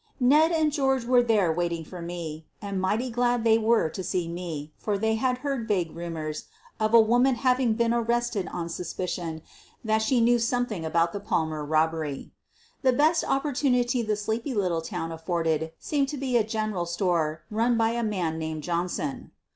Ned and George were there waiting for me, and mighty glad they were to see me, for they had heard vague rumors of a woman having been arrested on suspicion that she knew something about the Pal mer robbery. { The best opportunity the sleepy little town af forded seemed to be a general store run by a man named Johnson.